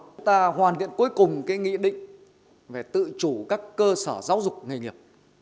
chúng ta hoàn thiện cuối cùng cái nghị định về tự chủ các cơ sở giáo dục nghề nghiệp